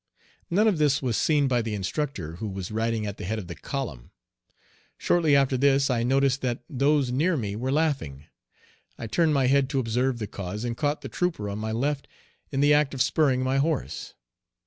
None of this was seen by the instructor, who was riding at the head of the column. Shortly after this I noticed that those near me were laughing. I turned my head to observe the cause and caught the trooper on my left in the act of spurring my horse.